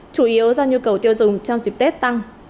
chủ yếu do nhu cầu tiêu dùng trong dịp tết tăng